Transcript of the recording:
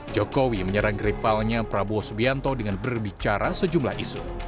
jokowi menyerang rivalnya prabowo subianto dengan berbicara sejumlah isu